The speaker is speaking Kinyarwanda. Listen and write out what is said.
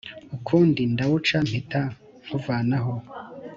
ukundi ndawuca mpita nkuvanaho